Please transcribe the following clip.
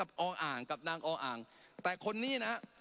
ออ่างกับนางออ่างแต่คนนี้นะ